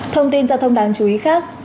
thông tin giao thông đáng chú ý khác